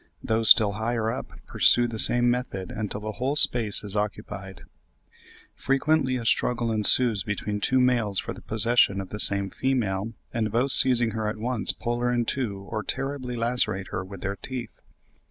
Those still higher up pursue the same method until the whole space is occupied. Frequently a struggle ensues between two males for the possession of the same female, and both seizing her at once pull her in two or terribly lacerate her with their teeth.